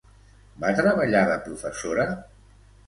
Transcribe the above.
Va treballar de professora?